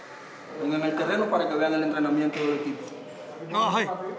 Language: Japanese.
ああはい。